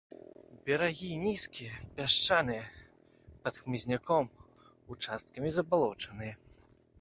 Берагі нізкія, пясчаныя, пад хмызняком, участкамі забалочаныя.